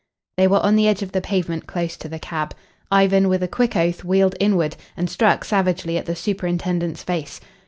They were on the edge of the pavement close to the cab. Ivan with a quick oath wheeled inward, and struck savagely at the superintendent's face.